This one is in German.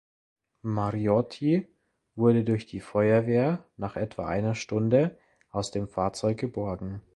Mariotti wurde durch die Feuerwehr nach etwa einer Stunde aus dem Fahrzeug geborgen.